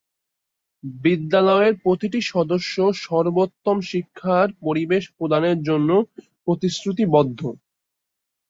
বিদ্যালয়ের প্রতিটি সদস্য সর্বোত্তম শিক্ষার পরিবেশ প্রদানের জন্য প্রতিশ্রুতিবদ্ধ।